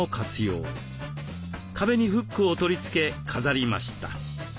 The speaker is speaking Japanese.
壁にフックを取りつけ飾りました。